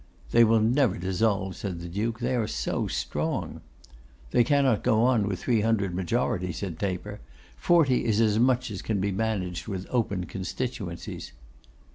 'They will never dissolve,' said the Duke. 'They are so strong.' 'They cannot go on with three hundred majority,' said Taper. 'Forty is as much as can be managed with open constituencies.